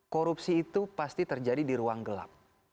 korupsi itu pasti terjadi di ruang gelap